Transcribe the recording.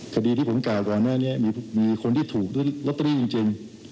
คดีที่ผมข่าวก่อนเนี่ยมีคนที่ถูกร็อตเตอรี่จริงจริง